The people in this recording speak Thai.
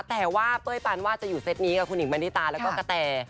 แต่ว่าเป้ยปานว่าจะอยู่เซตนี้กับคุณหญิงมณิตาแล้วก็กะแต่